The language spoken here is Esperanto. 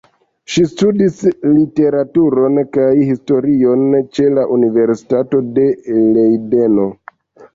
Ŝi studis literaturon kaj historion ĉe la Universitato de Lejdeno.